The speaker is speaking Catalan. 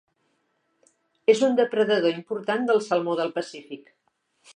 És un depredador important del salmó del Pacífic.